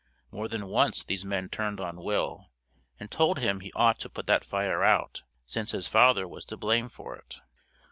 More than once these men turned on Will, and told him he ought to put that fire out, since his father was to blame for it.